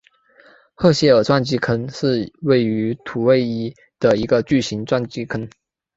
赫歇尔撞击坑是位于土卫一的一个巨型撞击坑。